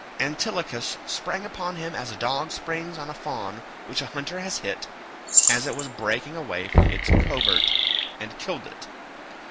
Antilochus sprang upon him as a dog springs on a fawn which a hunter has hit as it was breaking away from its covert, and killed it.